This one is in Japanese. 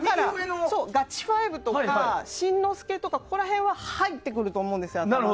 ガチファイブとか、新之助とかここら辺は頭の中に入ってくると思うんですよ。